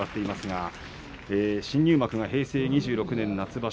新入幕は平成２６年夏。